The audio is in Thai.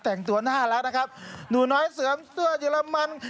แต่งตัวหน้าแล้วนะครับหนูน้อยเสื่อมเสื้อเยอรมัน